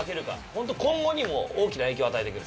本当今後にも大きな影響を与えてくる。